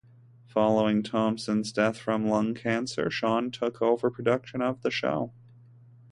Following Thompson's death from lung cancer, Shaun took over production of the show.